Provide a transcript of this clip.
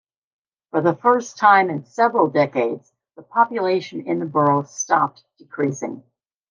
For the first time in several decades the population in the borough stopped decreasing.